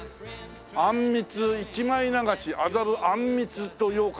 「あんみつ」「一枚流し麻布あんみつ」と羊かん別かな？